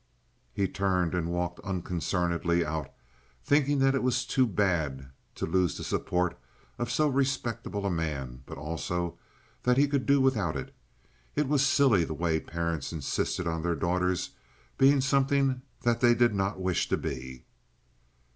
He turned and walked unconcernedly out, thinking that it was too bad to lose the support of so respectable a man, but also that he could do without it. It was silly the way parents insisted on their daughters being something that they did not wish to be.